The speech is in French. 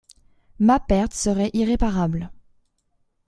Ma perte serait irréparable.